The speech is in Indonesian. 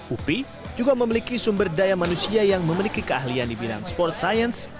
upi juga memiliki sumber daya manusia yang memiliki keahlian di bidang sport science